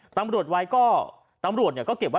ตำรวจไว้ก็เก็บไว้